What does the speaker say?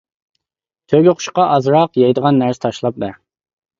-تۆگىقۇشقا ئازراق يەيدىغان نەرسە تاشلاپ بەر.